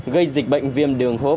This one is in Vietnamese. gây dịch bệnh viêm